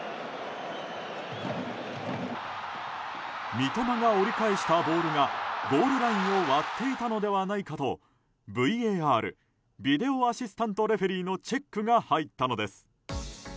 三笘が折り返したボールがゴールラインを割っていたのではないかとＶＡＲ・ビデオアシスタントレフェリーのチェックが入ったのです。